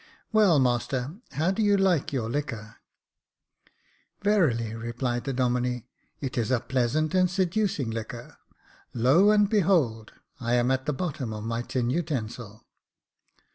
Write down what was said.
Well, master, how do you like your liquor ?"Verily," replied the Domine, it is a pleasant and seducing liquor. Lo and behold ! I am at the bottom of my tin utensil."